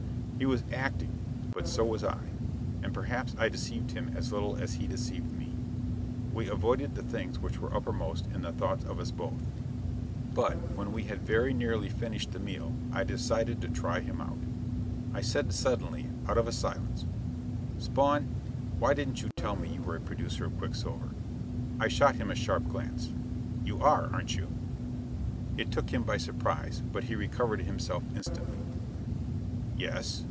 He was acting; but so was I. And perhaps I deceived him as little as he deceived me. We avoided the things which were uppermost in the thoughts of us both. But, when we had very nearly finished the meal, I decided to try him out. I said suddenly, out of a silence: "Spawn, why didn't you tell me you were a producer of quicksilver?" I shot him a sharp glance. "You are, aren't you?" It took him by surprise, but he recovered himself instantly. "Yes.